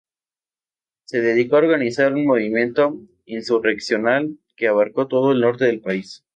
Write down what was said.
Se dedicó a organizar un movimiento insurreccional que abarcó todo el norte del país.